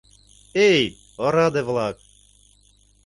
Эй, ораде-влак!..